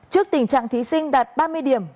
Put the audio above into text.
trước tình trạng thí sinh đạt ba mươi điểm